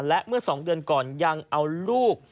และเมื่อ๒เดือนก่อนยังเอาลูก